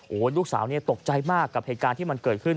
โอ้โหลูกสาวเนี่ยตกใจมากกับเหตุการณ์ที่มันเกิดขึ้น